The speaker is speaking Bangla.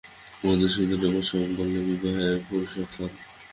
মধুসূদন এবার স্বয়ং বললে, বিবাহের ফুরসত হল।